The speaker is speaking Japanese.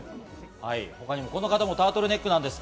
他にも、この方もタートルネックです。